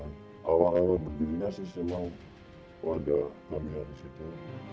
awal awal berdirinya sih semua warga kami ada di situ